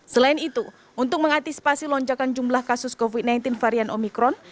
selain itu untuk mengantisipasi lonjakan jumlah kasus covid sembilan belas varian omikron